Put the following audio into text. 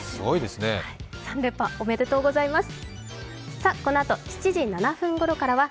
３連覇おめでとうございます。